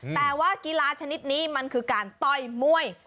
แต่ว่ากีฬาชนิดนี้มันคือการต่อยมวย